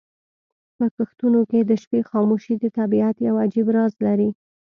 په کښتونو کې د شپې خاموشي د طبیعت یو عجیب راز لري.